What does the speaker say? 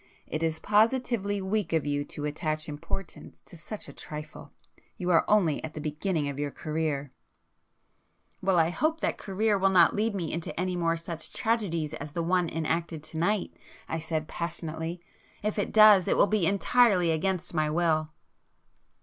It is positively weak of you to attach importance to such a trifle. You are only at the beginning of your career——" "Well, I hope that career will not lead me into any more such tragedies as the one enacted to night,"—I said passionately—"If it does, it will be entirely against my will!"